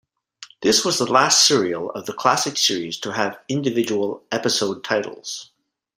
This was the last serial of the classic series to have individual episode titles.